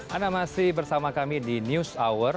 anda masih bersama kami di news hour